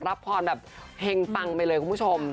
รับพรแบบเฮงปังไปเลยคุณผู้ชม